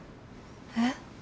えっ？